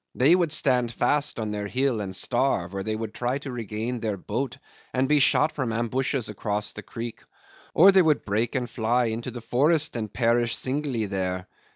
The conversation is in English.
They would stand fast on their hill and starve, or they would try to regain their boat and be shot from ambushes across the creek, or they would break and fly into the forest and perish singly there."